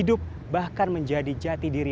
hidup bahkan menjadi jati diri